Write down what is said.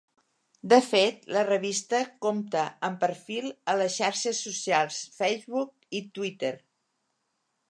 De fet, la revista compta amb perfil a les xarxes socials Facebook i Twitter.